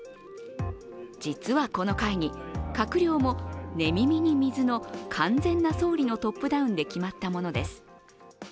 実はこの会議、閣僚も寝耳に水の完全な総理のトップダウンで決まったものです。